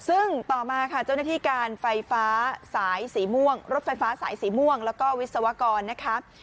ซึ่งต่อมาค่ะเจ้าหน้าที่การไฟฟ้าสายสีม่วงรถไฟฟ้าสายสีม่วงแล้วก็วิศวกรนะคะ